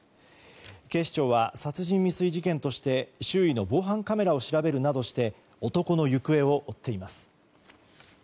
警視庁は殺人未遂事件として周囲の防犯カメラを調べるなどして男の行方を追っています。